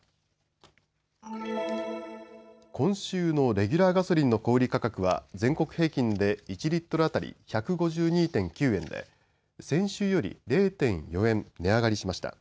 今週のレギュラーガソリンの小売価格は全国平均で１リットル当たり１５２．９円で先週より０．４円値上がりしました。